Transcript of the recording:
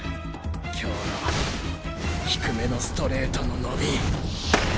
今日の低めのストレートの伸び